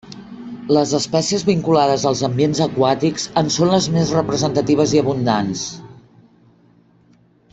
Les espècies vinculades als ambients aquàtics en són les més representatives i abundants.